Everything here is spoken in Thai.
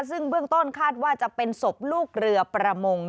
ซึ่งเบื้องต้นคาดว่าจะเป็นศพลูกเรือประมง